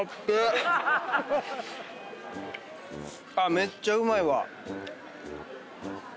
めっちゃうまいわ。